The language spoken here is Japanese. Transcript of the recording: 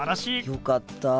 よかった。